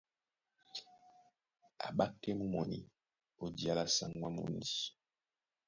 A ́ɓákɛ́ mú mɔní ó diá lá sáŋgó á mundi.